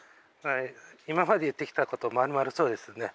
今まで言ってきたことまるまるそうですね。